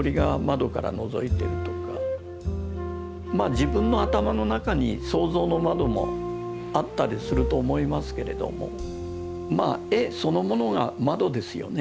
自分の頭の中に想像の窓もあったりすると思いますけれども絵そのものが窓ですよね。